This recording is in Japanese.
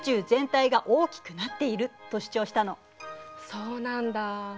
そうなんだ。